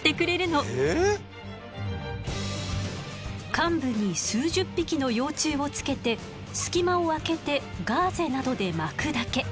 患部に数十匹の幼虫をつけて隙間をあけてガーゼなどで巻くだけ。